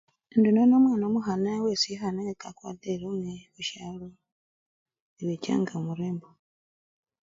Indi nono omwana omukhana wesikhana nga kakwarire elongi khushalo, ebechanga burembo.